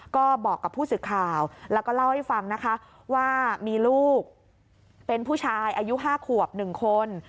ก็บอกกับผู้สื่อข่าวแล้วก็เล่าให้ฟังนะคะว่ามีลูกเป็นผู้ชายอายุ๕ขวบ๑คน